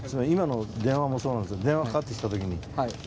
今の電話もそうなんですけど電話かかってきた時に。